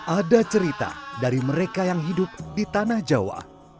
ada cerita dari mereka yang hidup di tanah jawa